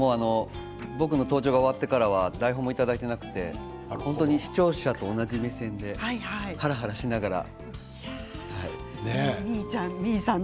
僕の登場が終わってからは台本をいただいていなくて視聴者と同じ目線で実衣さんの。